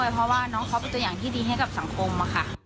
เพราะว่าน้องเขาเป็นตัวอย่างที่ดีให้กับสังคมค่ะ